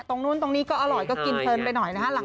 ตรงนู้นตรงนี้ก็อร่อยก็กินเพลินไปหน่อยนะฮะ